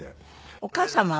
お母様は？